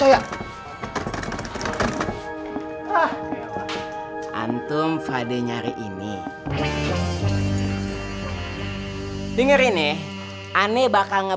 hanya yang guru dari allah